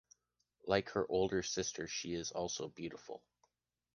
Like her older sister, she is also beautiful.